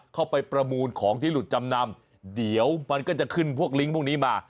ประมูลของที่หลุดจำนำเดี๋ยวมันก็จะขึ้นพวกลิงก์พวกนี้มา